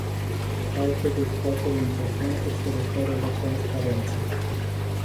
O altă dezbatere importantă se referă la transparență.